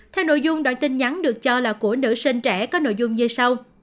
theo nội dung đoạn tin nhắn được cho là của nữ sinh trẻ có nội dung như sau